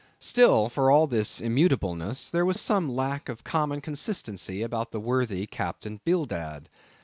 Still, for all this immutableness, was there some lack of common consistency about worthy Captain Bildad.